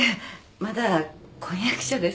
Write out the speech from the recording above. まだ婚約者です。